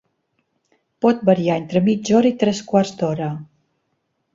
Pot variar entre mitja hora i tres quarts d'hora.